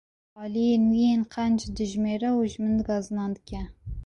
Aliyên wî yên qenc dijmêre û ji min gazinan dike.